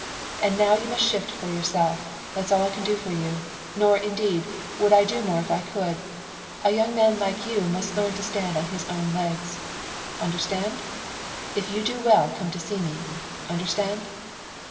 "And now you must shift for yourself. That's all I can do for you. Nor, indeed, would I do more if I could. A young man like you must learn to stand on his own legs. Understand? If you do well, come to see me. Understand?"